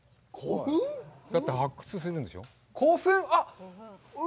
だって発掘するんでしょう？